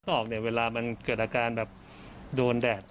ต่อออกเวลามันเกิดอาการแบบโดนแดด